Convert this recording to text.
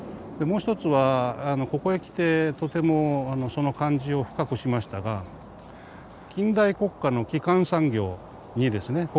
もう一つはここへ来てとてもその感じを深くしましたが近代国家の基幹産業にですね